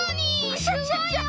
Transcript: クシャシャシャ！